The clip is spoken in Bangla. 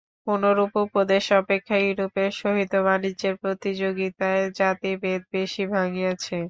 কোনরূপ উপদেশ অপেক্ষা ইউরোপের সহিত বাণিজ্যের প্রতিযোগিতায় জাতিভেদ বেশী ভাঙিয়াছে।